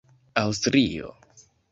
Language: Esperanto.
aŭstrio